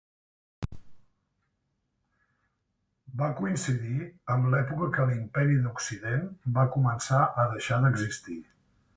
Va coincidir amb l'època que l'Imperi d'Occident va començar a deixar d'existir.